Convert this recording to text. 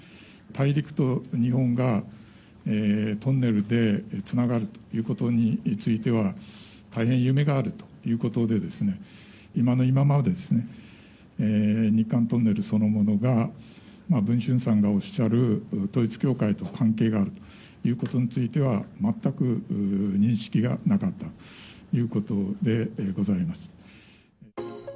大陸と日本がトンネルでつながるということについては、大変夢があるということで、今の今まで、日韓トンネルそのものが、文春さんがおっしゃる、統一教会と関係があるということについては、全く認識がなかったということでございます。